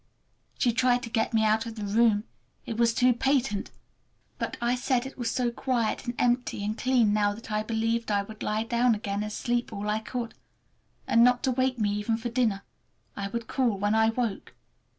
She tried to get me out of the room—it was too patent! But I said it was so quiet and empty and clean now that I believed I would lie down again and sleep all I could; and not to wake me even for dinner—I would call when I woke.